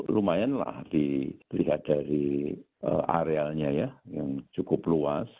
lumayanlah dilihat dari arealnya yang cukup luas